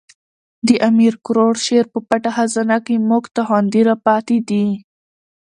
د امیر کروړ شعر په پټه خزانه کښي موږ ته خوندي را پاتي دي.